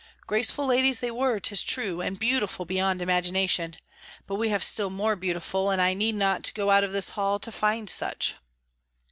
Graceful ladies they were, 'tis true, and beautiful beyond imagination; but we have still more beautiful, and I need not go out of this hall to find such."